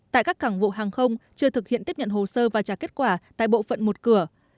tại các cảng vụ hàng không chưa thực hiện tiếp nhận hồ sơ và trả kết quả tại bộ phận một cửa